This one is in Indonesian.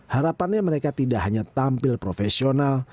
harapannya mereka tidak hanya tampil profesional